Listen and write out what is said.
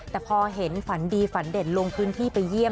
แต่พอเห็นฝันดีฝันเด่นลงพื้นที่ไปเยี่ยม